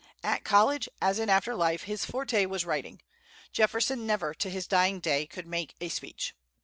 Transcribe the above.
At college, as in after life, his forte was writing. Jefferson never, to his dying day, could make a speech.